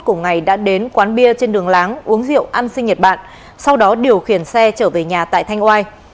ngô công hán đã đến quán bia trên đường láng uống rượu ăn sinh nhật bạn sau đó điều khiển xe trở về nhà tại thanh oai